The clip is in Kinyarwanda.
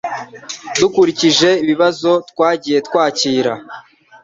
Dukurikije ibibazo twagiye twakira,